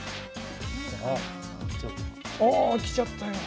ああきちゃったよ。